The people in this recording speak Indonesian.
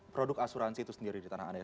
produk asuransi itu sendiri di tanah air